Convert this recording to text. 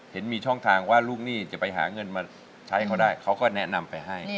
เห็นมีช่องทางว่าลูกหนี้จะไปหาเงินมาใช้เขาได้เขาก็แนะนำไปให้